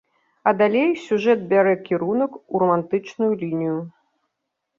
А далей сюжэт бярэ кірунак у рамантычную лінію.